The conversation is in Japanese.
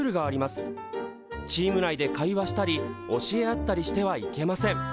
チーム内で会話したり教え合ったりしてはいけません。